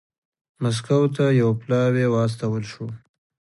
مسکو ته یو پلاوی واستول شو.